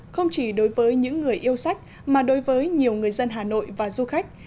không chỉ đối với những người yêu sách mà đối với nhiều người dân hà nội và du khách